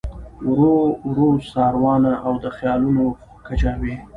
ورو ورو ساروانه او د خیالونو کجاوې